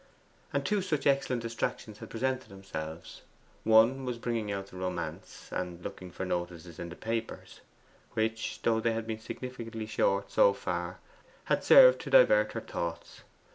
And two such excellent distractions had presented themselves. One was bringing out the romance and looking for notices in the papers, which, though they had been significantly short so far, had served to divert her thoughts.